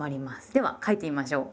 では書いてみましょう。